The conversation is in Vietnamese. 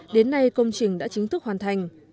đến nay công trình đã chính thức hoàn thành